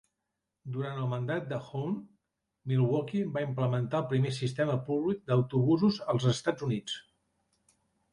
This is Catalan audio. Durant el mandat de Hoan, Milwaukee va implementar el primer sistema públic d'autobusos als Estats Units.